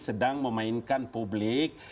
sedang memainkan publik